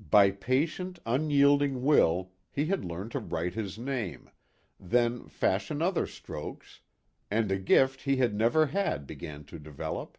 By patient unyielding will he had learned to write his name, then fashion other strokes, and a gift he had never had began to develop.